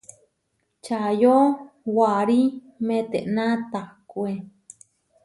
Čayó warí metená tahkué.